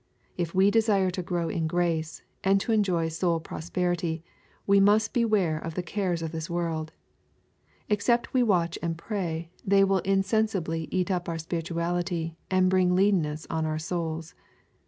If we desire to grow in grace, and to enjoy soul prosperity, we must beware of the cares of this world. Except we watch and pray, they will Insensibly cat up our spirituality, and bring leanness on our souls.